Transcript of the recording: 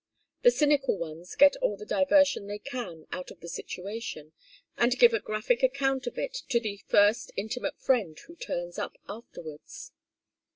The cynical ones get all the diversion they can out of the situation and give a graphic account of it to the first intimate friend who turns up afterwards.